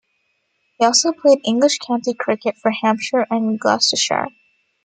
He also played English county cricket for Hampshire and Gloucestershire.